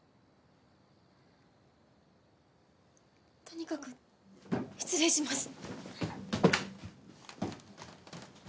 とにかく失礼します！